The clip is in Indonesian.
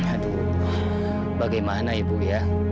aduh bagaimana ibu ya